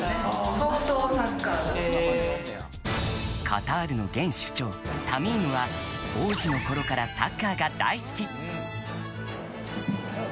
カタールの現首長タミームは王子の頃からサッカーが大好き！